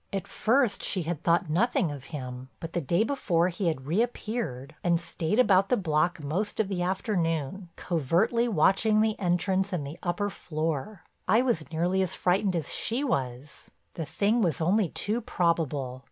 At first she had thought nothing of him, but the day before he had reappeared, and stayed about the block most of the afternoon covertly watching the entrance and the upper floor. I was nearly as frightened as she was—the thing was only too probable.